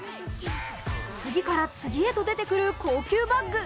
次から次へと出てくる高級バッグ。